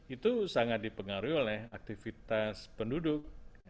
itu sangat dipengaruhi oleh aktivitas penduduk